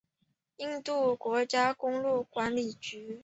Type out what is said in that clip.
印度国家公路管理局。